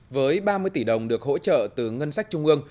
với ba mươi tỷ đồng được hỗ trợ từ ngân sách trung ương